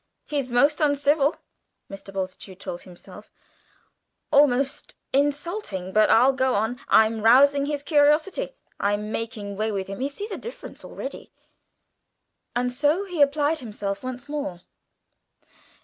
"He's most uncivil" Mr. Bultitude told himself "almost insulting, but I'll go on. I'm rousing his curiosity. I'm making way with him; he sees a difference already." And so he applied himself once more.